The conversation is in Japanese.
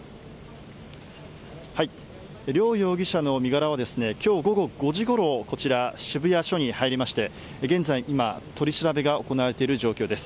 両容疑者の身柄は今日午後５時ごろこちら、渋谷署に入りまして現在、取り調べが行われている状況です。